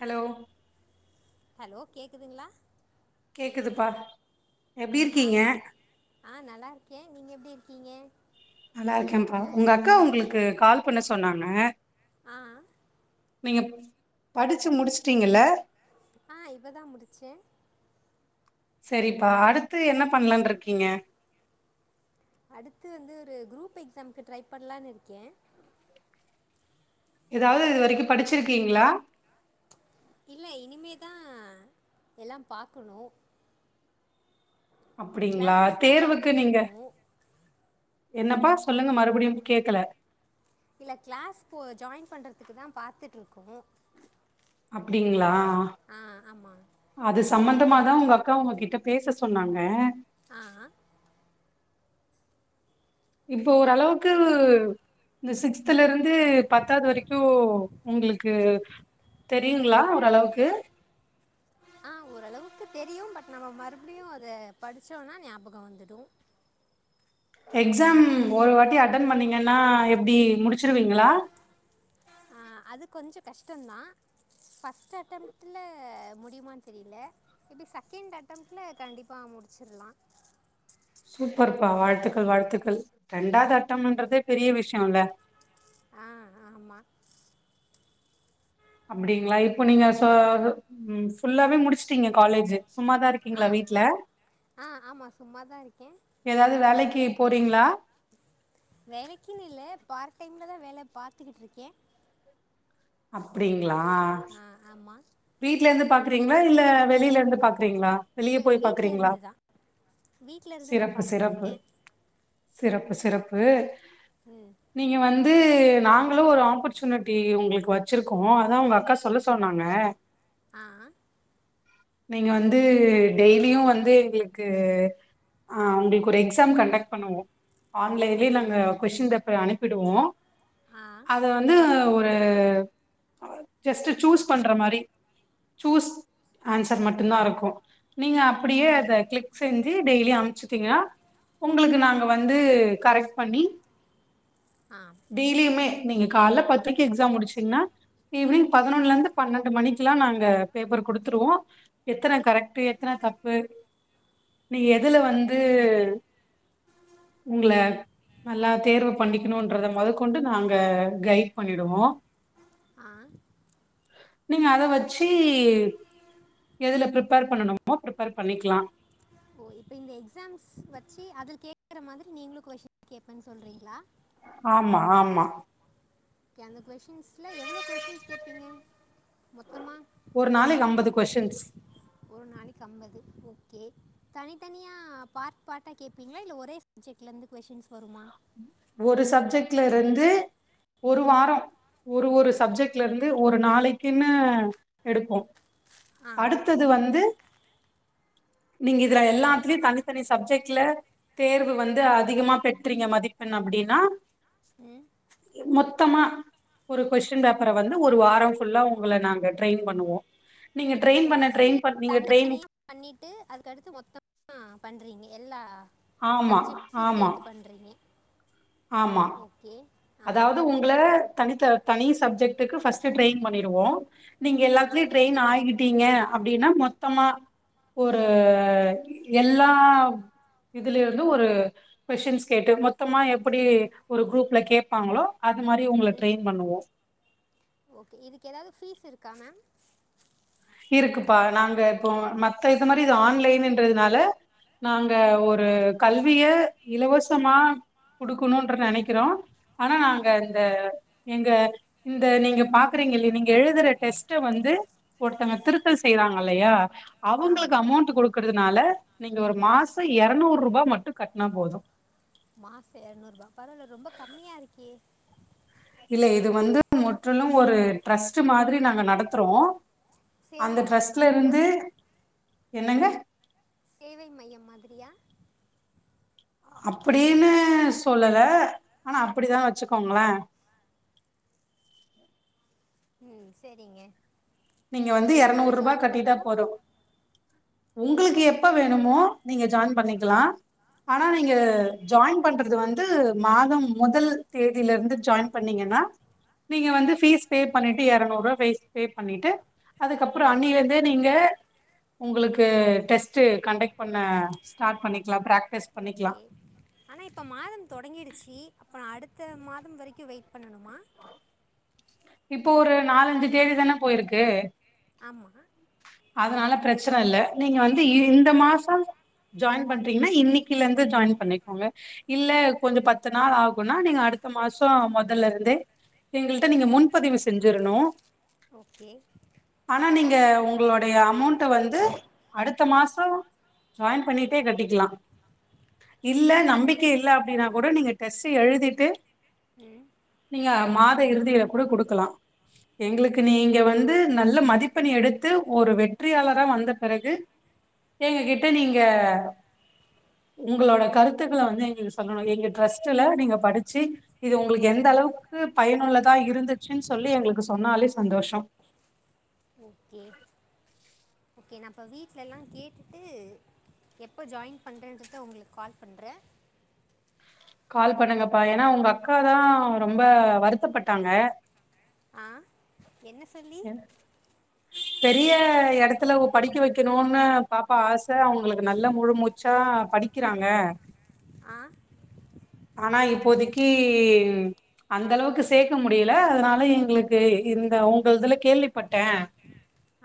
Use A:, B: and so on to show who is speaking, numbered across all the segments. A: hello
B: hello கேக்குதுங்களா
A: கேக்குதுப்பா எப்டி
B: ஆ
A: இருக்கீங்க
B: ஆ நல்லா இருக்கே நீங்க எப்பிடி இருக்கீங்க
A: நல்லா இருக்கேன்ப்பா உங்க அக்கா உங்குளுக்கு கால் பண்ண சொன்னாங்க
B: ஆ
A: நீங்க படிச்சி முடிச்சுட்டிங்கள்ள
B: ஆ இப்ப தான் முடிச்சேன்
A: செரிப்பா அடுத்து என்ன பண்ணலான்னு இருக்கீங்க
B: அடுத்து வந்து ஒரு குரூப் எக்ஸாம்க்கு ட்ரை பண்ணலான்னு இருக்கேன்
A: எதாவது இது வரைக்கும் படிச்சிருக்கீங்களா
B: இல்ல இனிமே தான் எல்லாம் பார்க்கணும்
A: அப்படிங்களா
B: கிளாஸஸ் தான்
A: தேர்வுக்கு
B: பார்த்துக்கிட்டு
A: நீங்க
B: இருக்கோம்
A: என்னப்பா சொல்லுங்க மறுபடியும் கேக்கல
B: இல்ல கிளாஸ் போ ஜாய்ன் பண்றதுக்கு தான் பார்த்துட்டுருக்கோம்
A: அப்டிங்களா
B: ஆமாம்
A: அது சம்மந்தமாதான் உங்க அக்கா உங்ககிட்ட பேச சொன்னாங்க
B: ஆ
A: இப்ப ஓரளவுக்கு இந்த சிக்ஸ்துல இருந்து பத்தாவது வரிக்கும் உங்குளுக்கு தெரியுங்களா ஓரளவுக்கு
B: ஆ ஓரளவுக்கு தெரியும் பட் நம்ம மறுபடியும் அத படிச்சோம்னா ஞாபகம் வந்துடும்
A: எக்ஸாம் ஒரு வாட்டி அட்டென் பண்ணீங்கன்னா எப்டி முடிச்சிருவீங்களா
B: ஆ அது கொஞ்சம் கஷ்டம்தான் ஃபர்ஸ்ட் அட்டெம்ட்ல முடியுமான்னு தெரில மேபி செகண்ட் அட்டம்ட்ல கண்டிப்பா முடிச்சிரலா
A: சூப்பர்ப்பா வாழ்த்துக்கள் வாழ்த்துக்கள் ரெண்டாவது அட்டம்ன்றதே பெரிய விஷயம்ல்ல
B: ஆ ஆமா
A: அப்டிங்ளா இப்போ நீங்க ஃபுல்லாவே முடிச்சுட்டீங்க காலேஜு சும்மாதா
B: ஆ
A: இருக்கீங்ளா வீட்ல
B: ஆ ஆமாம் சும்மா தான் இருக்கேன்
A: ஏதாவது வேலைக்கி போறீங்ளா
B: வேலைக்குன்னு இல்ல பார்ட் டைம்ல தா வேல பார்த்துக்கிட்டு இருக்க
A: அப்டிங்ளா
B: ஆ ஆமா
A: வீட்ல இருந்து பாக்குறீங்ளா இல்ல வெளியில இருந்து பாக்குறீங்ளா
B: இல்லை
A: வெளிய
B: இல்லை
A: போய்
B: வீட்டில்
A: பாக்குறீங்ளா
B: இருந்து தான் வீட்டில் இருந்து தான்
A: சிறப்பு சிறப்பு
B: பார்த்துட்ருக்கேன்
A: சிறப்பு சிறப்பு
B: ம்
A: நீங்க வந்து நாங்களு ஒரு ஆப்பர்ச்சுனிட்டி உங்ளுக்கு வச்சுருக்கோ அதா உங்க அக்கா சொல்ல சொன்னாங்க
B: ஆ
A: நீங்க வந்து டெய்லியு வந்து எங்களுக்கு ஆ உங்களுக்கு ஒரு எக்ஸாம் கண்டக்ட் பண்ணுவோ ஆன்லைன்லே
B: ஓகே
A: நாங்க கொஸ்டின் பேப்பர் அனுப்பிடுவோ
B: ஆ
A: அத வந்து ஒரு ஜஸ்ட்டு சூஸ் பண்ற மாரி சூஸ் ஆன்சர் மட்டு தா இருக்கு நீங்க அப்டியே
B: ஓகே
A: அத கிளிக் செஞ்சி டெய்லி அமுச்சட்டீங்கனா உங்களுக்கு நாங்க வந்து கரெக்ட் பண்ணி
B: ஆம்
A: டெய்லியுமே நீங்க கால்ல பத்ரைக்கு எக்ஸாம் முடிச்டீங்னா ஈவினிங் பதினொன்னல இருந்து பன்னெண்டு மணிக் குலா நாங்க பேப்பர் குடுத்துருவோ எத்தன கரெக்ட்டு எத்தன தப்பு நீங்க எதுல வந்
B: ஓகே
A: உங்ள நல்லா தேர்வு பண்ணிக்கணுன்றத மொதக்கொண்டு நாங்க கைட் பண்ணிடுவோ
B: ஆ
A: நீ அத வச்சி எதுல ப்ரிபேர் பண்ணணுமோ ப்ரிபேர் பண்ணிக்லா
B: ஓ இப்ப இந்த எக்ஸாம்ஸ் வச்சி அதுல கேக்குற மாரி நீங்களு கொஸ்டின் கேப்பன்னு சொல்றீங்ளா
A: ஆமா ஆமா
B: ஓகே அந்த கொஷின்ஸ்ல எவ்ளோ கொஷின்ஸ் கேட்பீங்க மொத்தமா
A: ஒரு நாளைக்கு ஐம்பது கொஸின்ஸ்
B: ஒரு நாளைக்கு ஐம்பது ஓகே தனித்தனியா பார்ட் பார்டா கேப்பீங்ளா இல்ல ஒரே ஜெக்லருந்து கொஸ்சின்ஸ் வருமா
A: ஒரு சப்ஜெக்ட்ல இருந்து ஒரு வாரோ ஒரு ஒரு சப்ஜெக்ட்ல இருந்து ஒரு நாளைக்குன்னு எடுப்போ
B: ஆ
A: அடுத்தது வந்து நீங்க இதுல எல்லாத்திலியு தனித்தனி சப்ஜெக்ட்ல தேர்வு வந்து அதிகமா பெ ற்றிங்க மதிப்பெண் அப்டின்னா
B: ம்
A: மொத்தமா ஒரு கொஸ்டின் பேப்பர வந்து ஒரு வாரோ ஃபுல்லா உங்கள நாங்க ட்ரெயின் பண்ணுவோ நீங்க ட்ரயின் பண்ண ட்ரெயின் பண் நீங்க ட்ரெயின்
B: பண்ணிட்டு அதுக்கடுத்து மொத்தமா பண்றீங்க எல்லா
A: ஆமா
B: சப்ஜெக்ஸ்சு
A: ஆமா
B: சேத்து பண்றீங்க
A: ஆமா
B: ஓகே
A: அதாவது உங்கள தனித்த தனி சப்ஜெக்டக்கு ஃபர்ஸ்ட்டு ட்ரைன் பண்ணிடுவோ நீங்க
B: ஆ
A: எல்லாத்திலியு ட்ரெயின் ஆகிட்டீங்க அப்டின்னா மொத்தமா ஒரு எல்லா இதுலிருந்து ஒரு கொஷின்ஸ் கேட்டு மொத்தமா எப்டி ஒரு குரூப்ல கேப் ப்பாங்களோ அது மாரி உங்கள
B: ம்
A: ட்ரெயின் பண்ணுவோ
B: ஓகே இதுக்கு ஏதாவது ஃபீஸ் இருக்கா மேம்
A: இருக்குப்பா நாங்க இப்போ மத்த இது மாரி இது ஆன்லைன்னுன்றதுனால நாங்க ஒரு கல்விய இலவசமா குடுக்கணுன்ற நெனைக்கிறோ ஆனா நாங்க
B: ம்
A: இந்த எங்க இந்த நீங்க பாக்குறீங்கல்லி நீங்க எழுதுற டெஸ்ட்ட வந்து ஒருத்தங்க திருத்தல் செய்றாங்கல்லயா அவுங்களுக்கு
B: ஆமாம்
A: அமௌண்ட் கொடு க்கறதுனால நீங்க ஒரு மாச இரநூறுரூவா மட்டு கட்னா போது
B: மாச இரநூறுரூவா பரவால ரொம்ப கம்மியா இருக்கே
A: இல்ல இது வந்து முற்றிலும் ஒரு ட்ரஸ்ட் மாதிரி நாங்க நடத்தறோ அந்த
B: சேவை மையம்
A: ட்ரெஸ்ட்ல
B: மாதிரியா
A: இருந்து என்னங்க
B: சேவை மையம் மாதிரியா
A: அப்டின்னு சொல்லல ஆனா அப்டிதா வச்சுக்கோங்களே
B: ம் சேரிங்க
A: நீங்க வந்து எரநூறுரூவா கட்டிட்டா
B: பண்ணணும்
A: போது உங்களுக்கு எப்ப வேணுமோ நீங்க ஜாயின் பண்ணிக்கலா ஆனா நீங்க
B: ஓ
A: ஜாயின் பண்றது வந்து மாதம் முதல் தேதியிலிருந்து ஜாயின் பண்ணீங்கன்னா நீங்க வந்து ஃபீஸ் பே பண்ணிட்டு இரநூறுரூவா ஃபீஸ் பே பண்ணிட்டு அதுக்கப்றோ
B: ம்
A: அந்நீலர்ந்தே நீங்க உங்களுக்கு டெஸ்ட் கண்டக்ட் பண்ண ஸ்டார்ட் பண்ணிக்கலா பிராக்டிஸ் பண்ணிக்கலா
B: ஆனா இப்ப மாதம் தொடங்கிடுச்சி அப்ப அடுத்த மாதம் வரைக்கு வெயிட் பண்ணணுமா
A: இப்போ ஒரு நாலஞ்சு தேதி தான போயிருக்கு
B: ஆமாங்க
A: அதனால பிரச்சனயில்ல நீங்க வந்து இந்த மாசம் ஜாயின் பண்றீங்னா இன்னிக்கில இருந்து ஜாயின் பண்ணிக்கோங்க இல்ல கொஞ்சோ பத்து நாள் ஆகுனா நீங்க அடுத்த மாசோ முதல்ல இருந்தே எங்கள்ட்ட நீங்க முன்பதிவு செஞ்சிறணு
B: ஓகே
A: ஆனா நீங்க உங்களோடைய அமௌண்ட்ட வந்து அடுத்த மாசோ ஜாயின் பண்ணிட்டே கட்டிக்கலா இல்ல நம்பிக்க
B: ஓகே
A: இல்ல அப்டின்னா கூட நீங்க டெஸ்டு எழுதிட்டு
B: ம்
A: நீங்க மாத இறுதியில கூட குடுக்கலா எங்களுக்கு நீங்க வந்து நல்ல மதிப்பெண் எடுத்து ஒரு வெற்றியாளரா வந்த பிறகு எங்க கிட்ட நீங்க உங்களோட கருத்துக்கள வந்து எங்களுக்கு சொல்லணு எங்க ட்ரெஸ்ட்ல நீங்க படிச்சி இது உங்களுக்கு எந்த அளவுக்கு பயனுள்ளதா இருந்துச்சுன் சொல்லி எங்களுக்கு சொன்னாலே சந்தோஷோ
B: ஓகே நா இப்போ வீட்லெல்லா கேட்டுட்டு எப்போ ஜாயின் பண்றேன்றத உங்களுக்கு கால் பண்றே
A: கால் பண்ணுங்கப்பா ஏனா உங்க அக்கா தா ரொம்ப வருத்தப்பட்டாங்க
B: ஆ என்ன சொல்லி
A: என்ன பெரிய இடத்துல படிக்க வைக்கணும்னு பாப்பா ஆசை அவங்களுக்கு நல்ல முழு மூச்சா படிக் க்கிறாங்க
B: ஆ
A: ஆனா இப்போதைக்கு அந்த அளவுக்கு சேர்க்க முடியல அதனால எங்களுக்கு இந்த உங் கள்துல கேள்விப்பட்டே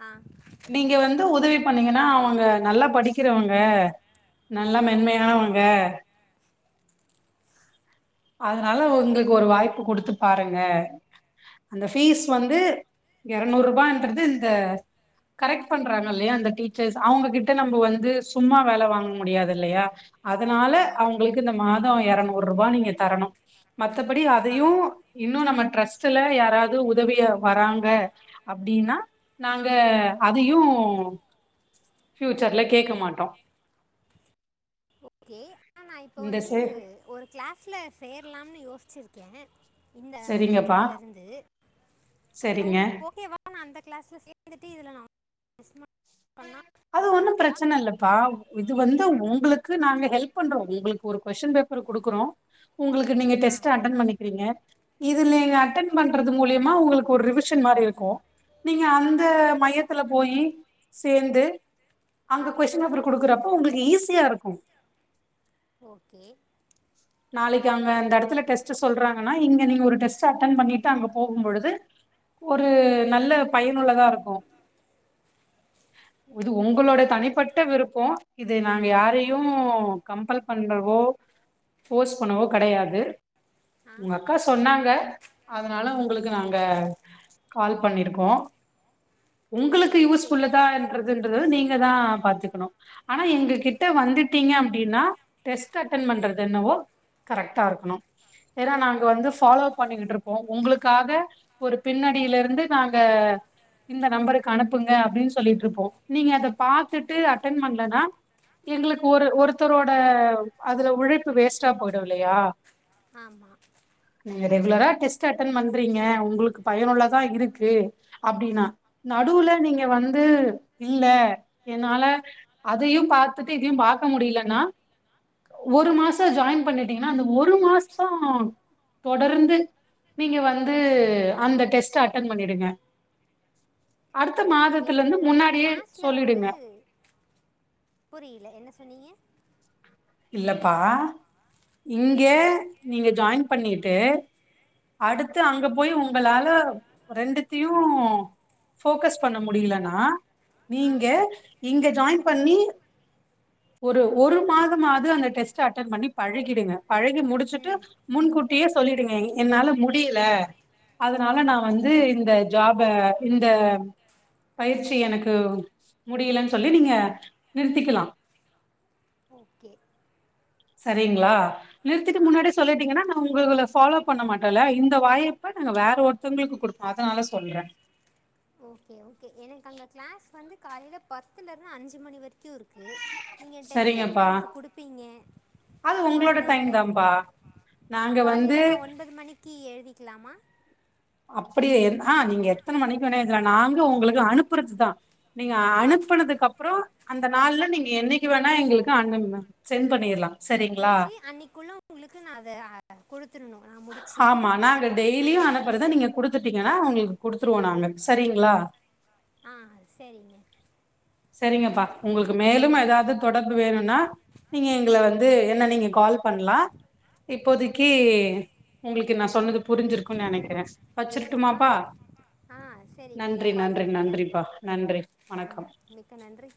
B: ஆ
A: நீங்க வந்து உதவி பண்ணீங்கனா அவங்க நல்லா படிக்கிறவங்க நல்லா
B: ஆ
A: மென்மையானவங்க அதனால உங்ளுக்கு ஒரு வாய்ப்பு கொடுத்து பாருங்க அந்த ஃபீஸ் வந்து இரநூறு ரூபான்றது இந்த கரெக்ட் பண்றாங்க இல்லையா அந்த டீச்சர்ஸ் அவங்ககிட்ட நம்ப வந்து சும்மா வேலை வாங்க முடியாது இல்லையா அதனால
B: ஆமாம்
A: அவங்களுக்கு இந்த மாதம் இரநூறு ரூபாய் நீங்க தரணு மத்தபடி
B: ஆ
A: அதையு இன்னு நம்ம ட்ரஸ்ட்ல யாராவது உதவிய வராங்க அப்டின்னா நாங்க அதையு ஃபியூச்சர்ல கேட்க மாட்டோ
B: ஓகே ஆ நா இப்போ
A: இந்த
B: வந்து
A: சே
B: ஒரு கிளாஸ்ல சேரலாம்னு யோச்சிருக்கே இந்த
A: சரிங்கப்பா
B: மாசத்தில இருந்து
A: சரிங்க
B: அவங்ளுக்கு ஓகேவா நா அந்த கிளாஸ்ல சேர்ந்துட்டு இதுல நா [unintelligible] பண்ணா
A: அது ஒன்னு பிரச்சன இல்லப்பா இது வந்து உங்ளுக்கு நாங்க ஹெல்ப் பண்றோ உங்ளுக்கு ஒரு கொஸ்டின் பேப்பர் குடுக்குறோ உங்ளுக்கு நீங்க
B: ஆ
A: டெஸ்ட் அட்டன் பண்ணிக்கிறீங்க இது நீங்க அட்டன் பண்றது மூலியமா உங்ளுக்கு ஒரு ரிவிஷன் மாரி இருக்கு நீங்க
B: ஆ
A: அந்த மையத்துல போயி சேர்ந்து
B: ஆ
A: அங்க கொஸ்டின் பேப்பர் குடுக்குறப்ப உங்ளுக்கு ஈஸியா இருக்கு
B: ஓகே
A: நாளைக்கு அங்க அந்த இடத்துல டெஸ்ட் சொல்றாங்கனா இங்க நீங்க ஒரு டெஸ்ட் அட்டெனி பண்ணிட்டு அங்க போகும்பொழுது ஒரு நல்ல பயனுள்ளதா இருக்கு இது உங்களோட
B: ஓகே அங்கே
A: தனிப்பட்ட விருப்போ இது நாங்க யாரையு கம்பல் பண்றவோ போஃபோர்ஸ் பண்ணவோ கிடையாது
B: ஆ
A: உங்க அக்கா சொன்னாங்க அதனால உங்களுக்கு நாங்க கால் பண்ணிருக்கோ உங்களுக்கு
B: ம், ஓகே
A: யூஸ்புல்ல தா
B: எனக்கு
A: என்றதுன்றது நீங்க தா பாத்துக்குணு ஆனா எங்ககிட்ட வந்துட்டீங்க அப்டின்னா டெஸ்ட் அட்டன் பண்றது என்னவோ கரெக்டா இருக்கணு ஏனா நாங்க வந்து ஃபாலோ பண்ணிக்கிட்டு இருப்போ உங்ளுக்காக ஒரு பின்னடியில இருந்து நாங்க இந்த நம்பருக்கு அனுப்புங் க அப்டின்னு சொல்லிட்டு இருப்போ நீங்க அதை பாத்துட்டு அன்டன் பண்ணலனா எங்ளுக்கு ஒரு ஒருத்தரோட அதுல உழைப்பு வேஸ்ட்டா போயிடு இல்லையா
B: ஆமா
A: நீங்க ரெகுலரா டெஸ்ட் அட்டன் பண்றீங்க உங்களுக்கு பயனுள்ளதா இருக்கு அப்டின்னா நடுவுல நீங்க வந்து இல்ல என்னால அதையும் பார்த்துட்டு இதையும் பாக்க முடிலன்னா ஒரு மாசம் ஜாயின் பண்ணிட்டீங்கன்னா அந்த ஒரு மாசோம் தொடர்ந்து நீங்க வந்து அந்த டெஸ்ட்ட அட்டன் பண்ணிடுங்க அடுத்த
B: ஓகே
A: மாதத்துல
B: எனக்கு
A: இருந்து
B: அங்க
A: முன்னாடியே
B: கிளாஸ்ல வந்து
A: சொல்லிடுங்க
B: புரியில என்ன சொன்னீங்க
A: இல்லப்பா இங்க
B: ம்
A: நீங்க ஜாயின் பண்ணிட்டு அடுத்து அங்க போய் உங்களால ரெண்டுத்துயும் ஃபோக்கஸ் பண்ண முடிலனா
B: ஆ
A: நீங்க இங்க ஜாயின் பண்ணி ஒரு ஒரு மாதமாது அந்த டெஸ்ட்ட அட்டன் பண்ணி பழகிடுங்க பழகி முடிச்சுட்டு
B: ம்
A: முன்கூட்டியே சொல்லிடுங்க என்னால முடில அதனால
B: ஆ
A: நா வந்து இந்த ஜாப இந்த பயிற்சி எனக்கு முடியலனு சொல்லி நீங்க நிறுத்திகலாம்
B: ஓகே
A: சரிங்ளா நிறுத்திட்டு
B: ஆ
A: முன்னாடியே சொல்லிட்டீங்கன்னா நான் உங்கள ஃபாலோ பண்ண மாட்டல இந்த வாய்ப்ப நாங்க வேற ஒருத்தொங்களுக்கு குடுப் அதனால சொல்றன்
B: ஓகே ஓகே எனக்கு அங்க க்ளாஸ் வந்து காலைல பத்துலருந்து அஞ்சு மணி வரைக்கும் இருக்கு நீங்க டெஸ்ட்டு எப்ப
A: சரிங்கப்பா
B: எனக்கு குடுப்பீங்க
A: அது உங்களோட டைம்
B: ஆன்லைன்ல
A: தான்ப்பா நாங்க வந்து
B: காலைல நான் ஒன்பது மணிக்கு எழுதிக்லாமா
A: அப்புடியே எதனா நீங்க எத்தன மணிக்கு வேன்னா எழுதலாம் நாங்ளும் உங்களுக்கு அனுப்புறதா நீங்க
B: ஆ
A: அனுப்பனதுக்கு அப்றோம் அந்த நாள்ல நீங்க என்னைக்கு வேணா எங்களுக்கு அனுபுங்க சென்ட் பண்ணிடலாம்
B: முடிச்சு அன்னைக்குள்ள உங்களுக்கு நா அத குடு துருண்ணும் நான் முடிச்சு
A: ஆமா நாங்க டெய்லியு
B: அன்னைக்கு
A: அனுப்புறத
B: டெஸ்ட்டு
A: நீங்க குடுத்துட்டீங்கன்னா உங்குளுக்கு குடுத்துருவோம் நாங்க சரிங்ளா
B: ஆ சேரிங்க
A: செரிங்கப்பா உங்களுக்கு மேலும் ஏதாவது தொடர்பு வேணும்னா நீங்க எங்கள வந்து என்ன நீங்க கால் பண்லாம் இப்போதிக்கு உங்களுக்கு நான் சொன்னது புரிஞ்சிருக்கோன் நெனைக்கிறன்
B: ஆ
A: வச்சிருட்டுமாப்பா
B: ஆ சரிங்க
A: நன்றி
B: நான் கால்
A: நன்றி
B: பண்ணுறேன்
A: நன்றிப்பா நன்றி வணக்கம்
B: ம் மிக்க நன்றி